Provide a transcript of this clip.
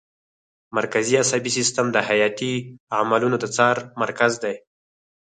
مرکزي عصبي سیستم د حیاتي عملونو د څار مرکز دی